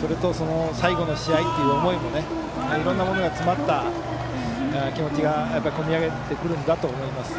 それと最後の試合という思いもいろんなものが詰まった気持ちが込み上げてくるんだと思います。